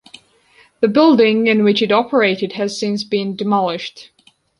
The building in which it operated has since been demolished.